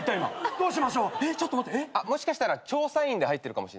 もしかしたら「調査員」で入ってるかも。